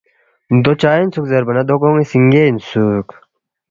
دو چِہ اِنسُوک زیربا نہ دو گن٘ی سِنگے اِنسُوک